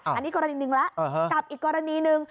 อันนี้กรณีหนึ่งแล้วกับอีกกรณีหนึ่ง